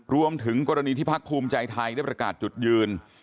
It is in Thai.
รวมถึงกรณีที่พักภูมิใจไทยได้ประกาศจุดยืน